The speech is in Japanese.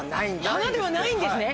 花ではないんですね？